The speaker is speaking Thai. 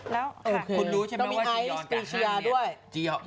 งู้น้ะใช่ไหมว่าจียอนกับฮ่าน